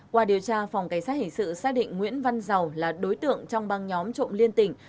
qua điều tra phòng cảnh sát hình sự xác định nguyễn văn giàu là đối tượng trong băng nhóm trộm liên tỉnh